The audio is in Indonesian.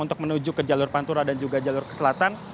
untuk menuju ke jalur pantura dan juga jalur keselatan